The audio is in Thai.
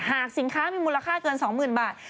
หากสินค้ามีมูลค่าเกิน๒หมื่นบาท